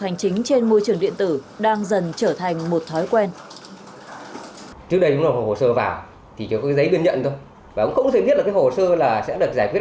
hành chính trên môi trường điện tử đang dần trở thành một thói quen